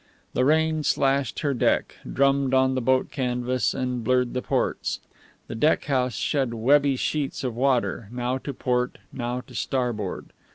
The rain slashed her deck, drummed on the boat canvas, and blurred the ports. The deck house shed webby sheets of water, now to port, now to starboard.